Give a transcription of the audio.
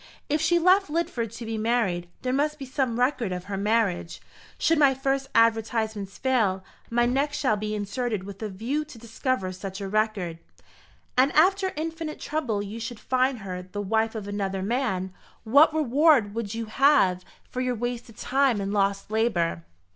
If she left Lidford to be married, there must be some record of her marriage. Should my first advertisements fail, my next shall be inserted with a view to discover such a record." "And if, after infinite trouble, you should find her the wife of another man, what reward would you have for your wasted time and lost labour?"